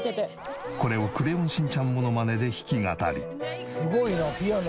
これをクレヨンしんちゃんモノマネで弾き語り。